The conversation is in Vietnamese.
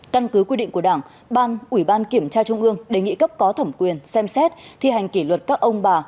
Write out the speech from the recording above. căn cứ quy định của đảng ban ủy ban kiểm tra trung ương đề nghị cấp có thẩm quyền xem xét thi hành kỷ luật các ông bà